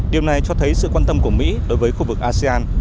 điều này cho thấy sự quan tâm của mỹ đối với khu vực asean